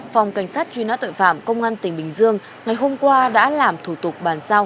phòng cảnh sát truy nã tội phạm công an tỉnh bình dương ngày hôm qua đã làm thủ tục bàn giao